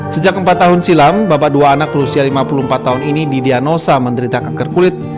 sejak empat tahun silam bapak dua anak berusia lima puluh empat tahun ini didianosa menderita kanker kulit